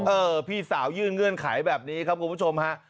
พี่สาวยื่นเงื่อนไขแบบนี้ครับคุณผู้ชมฮะ